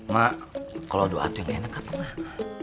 mak kalau doa tuh yang enak apa enggak